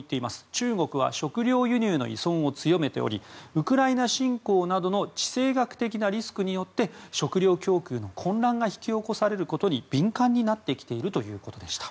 中国は食料輸入の依存を強めておりウクライナ侵攻などの地政学的なリスクによって食料供給の混乱が引き起こされることに敏感になってきているということでした。